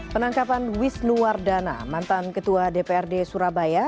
penangkapan wisnuwardana mantan ketua dprd surabaya